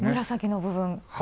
紫の部分。